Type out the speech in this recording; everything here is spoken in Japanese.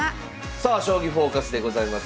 さあ「将棋フォーカス」でございます。